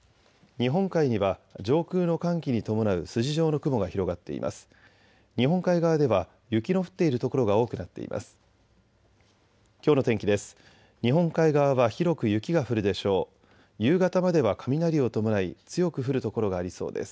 日本海には上空の寒気に伴う筋状の雲が広がっています。